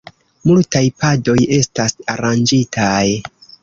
Multaj padoj estas aranĝitaj.